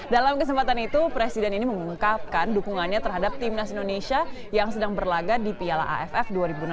dalam kesempatan itu presiden ini mengungkapkan dukungannya terhadap timnas indonesia yang sedang berlaga di piala aff dua ribu enam belas